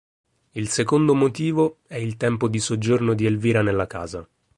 Il secondo motivo è il tempo di soggiorno di Elvira nella casa.